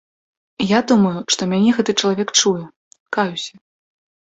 Я думаю, што мяне гэты чалавек чуе, каюся.